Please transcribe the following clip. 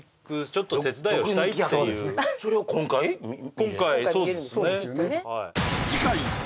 今回そうですね